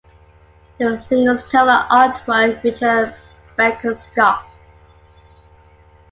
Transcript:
The single's cover artwork featured Bekonscot.